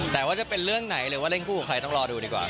แต่ว่าจะเป็นเรื่องไหนหรือว่าเล่นคู่กับใครต้องรอดูดีกว่า